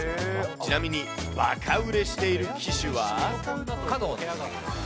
ちなみに、バカ売れしている機種は。